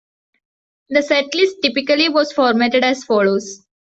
The setlist typically was formatted as follows.